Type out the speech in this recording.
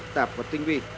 năm thứ một mươi một